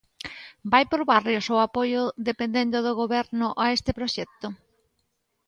¿Vai por barrios o apoio, dependendo do Goberno, a este proxecto?